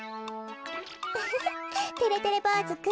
ウフフてれてれぼうずくん。